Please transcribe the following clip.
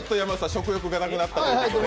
食欲がなくなったということで。